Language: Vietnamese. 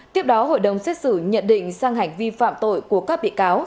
tiếp đó hội đồng xét xử nhận định sang hành vi phạm tội của các bị cáo